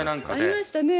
ありましたね。